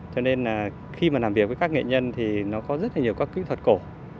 cho nên là khi mà làm việc với các nghệ nhân thì nó có rất là nhiều các kỹ thuật cổ